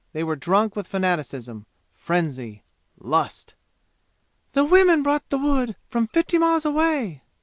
They were drunk with fanaticism, frenzy, lust! "The women brought that wood from fifty miles away!"